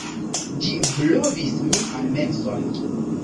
Ĝi blovis mian menson.